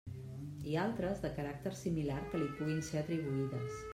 I altres, de caràcter similar, que li puguin ser atribuïdes.